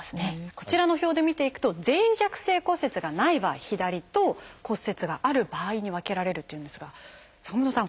こちらの表で見ていくと脆弱性骨折がない場合左と骨折がある場合に分けられるというんですが坂本さん